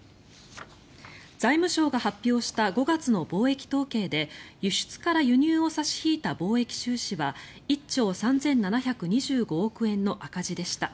財務省が発表した５月の貿易統計で輸出から輸入を差し引いた貿易収支は１兆３７２５億円の赤字でした。